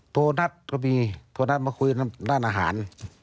ตัวนัดก็มีตัวนัดมาคุยร้านอาหาร